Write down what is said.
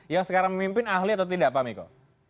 yang sekarang memimpin ahli atau tidak pak miko